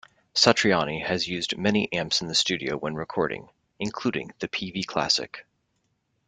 Satriani has used many amps in the studio when recording, including the Peavey Classic.